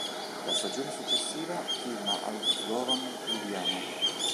La stagione successiva firma al Slovan Lubiana.